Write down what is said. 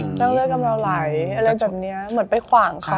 เลือกกำดาวน์ไหลอะไรแบบนี้เหมือนไปขวางเขาเนอะ